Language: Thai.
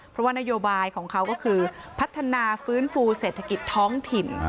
เพราะว่านโยบายของเขาก็คือพัฒนาฟื้นฟูเศรษฐกิจท้องถิ่น